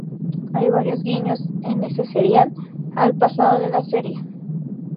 Hay varios guiños en este serial al pasado de la serie.